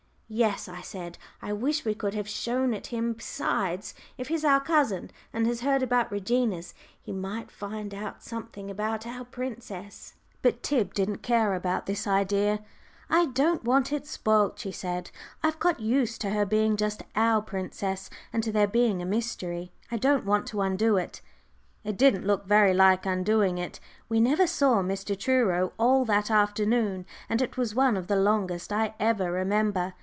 "Yes," I said, "I wish we could have shown it him. Besides, if he's our cousin, and has heard about 'Reginas,' he might find out something about our princess." But Tib didn't care about this idea. "I don't want it spoilt," she said; "I've got used to her being just our princess, and to there being a mystery. I don't want to undo it." It didn't look very like undoing it. We never saw Mr. Truro all that afternoon, and it was one of the longest I ever remember.